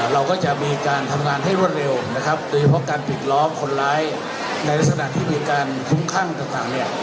เราก็จะมีการทำงานให้รวดเร็วนะครับโดยเฉพาะการปิดล้อมคนร้ายในลักษณะที่มีการคุ้มข้างต่างเนี่ย